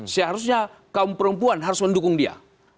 seharusnya kaum perempuan harus mendukung dia